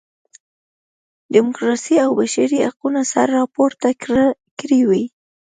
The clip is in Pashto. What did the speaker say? ډیموکراسۍ او بشري حقونو سر راپورته کړی وای.